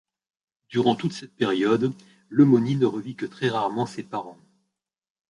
Durant toute cette période, Lemony ne revit que très rarement ses parents.